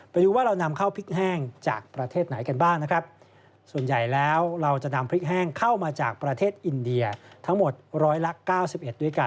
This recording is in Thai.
ไปดูว่าเรานำเข้าผลิตแห้งจากประเทศไหนกันบ้างนะครับ